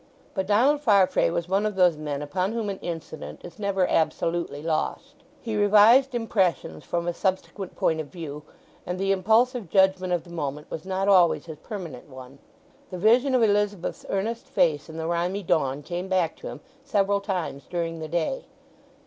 But Donald Farfrae was one of those men upon whom an incident is never absolutely lost. He revised impressions from a subsequent point of view, and the impulsive judgment of the moment was not always his permanent one. The vision of Elizabeth's earnest face in the rimy dawn came back to him several times during the day.